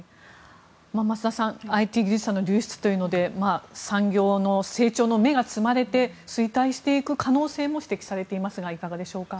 増田さんＩＴ技術者の流出というので産業の成長の芽が摘まれて衰退していく可能性も指摘されていますがいかがでしょうか。